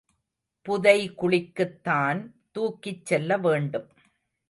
புதை குழிக்குத்தான் தூக்கிச் செல்லவேண்டும்.